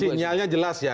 sinyalnya jelas ya